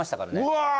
うわ。